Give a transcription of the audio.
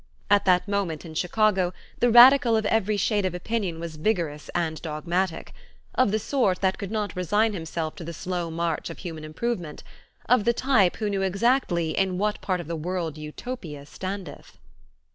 At that moment in Chicago the radical of every shade of opinion was vigorous and dogmatic; of the sort that could not resign himself to the slow march of human improvement; of the type who knew exactly "in what part of the world Utopia standeth."